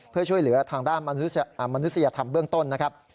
เพื่อช่วยเหลือทางด้านมนุษยธรรมเบื้องต้นนะครับ